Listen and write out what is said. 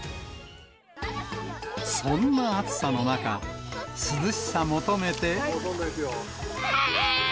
そんな暑さの中、涼しさ求めて。